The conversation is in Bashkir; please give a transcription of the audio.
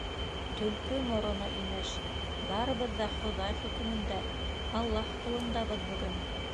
Төлкө мороно, имеш, барыбыҙ ҙа Хоҙай хөкөмөндә, Аллаһ ҡулындабыҙ бөгөн.